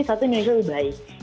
satu yang bisa dibahayakan